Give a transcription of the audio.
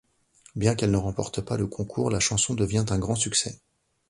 Bien qu'elle ne remporte pas le concours, la chanson devient un grand succès.